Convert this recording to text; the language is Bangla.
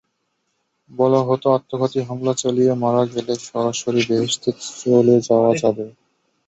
বলা হতো, আত্মঘাতী হামলা চালিয়ে মারা গেলে সরাসরি বেহেশতে চলে যাওয়া যাবে।